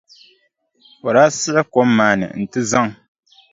O daa siɣi kom maa ni nti zaŋ.